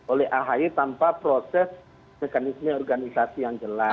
oleh ahy tanpa proses mekanisme organisasi yang jelas